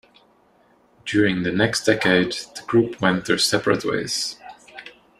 During the next decade, the group went their separate ways.